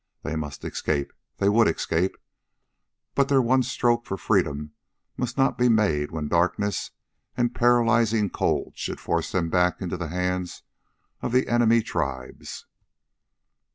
They must escape they would escape but their one stroke for freedom must not be made when darkness and paralyzing cold should force them back into the hands of the enemy tribes.